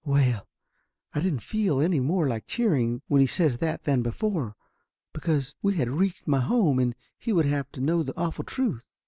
Well, I didn't feel any more like cheering when he says that than before. Because we had reached my home, and he would have to know the awful truth.